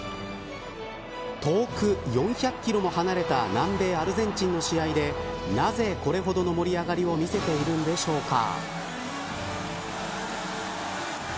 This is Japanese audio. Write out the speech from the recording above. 遠く４００キロも離れた南米アルゼンチンの試合でなぜこれほどの盛り上がりを見せているんでしょうか。